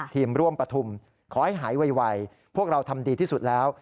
ทีมร่วมประทุมขอให้หายไวพวกเราทำดีที่สุดแล้ว